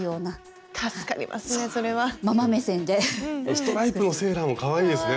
ストライプのセーラーもかわいいですね